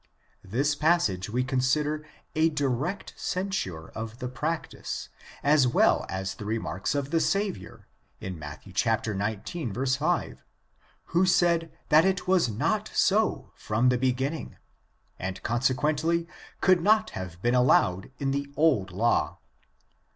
This passage we consider a direct censure of the practice, as well as the remarks of the Savior, in Matt, xix, 5, who said that it was not so from the beginning, and, consequently, could not have been allowed in the old law.